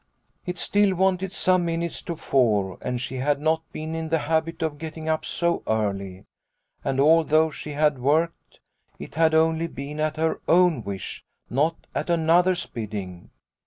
" It still wanted some minutes to four, and she had not been in the habit of getting up so early. And, although she had worked, it had only been at her own wish, not at another's bidding.